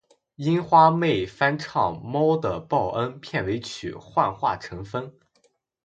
樱花妹翻唱《猫的报恩》片尾曲《幻化成风》